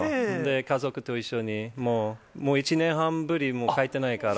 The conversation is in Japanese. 家族と一緒に、もう１年半ぶり、帰ってないから。